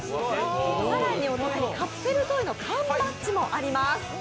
更にカプセルトイの缶バッジもあります。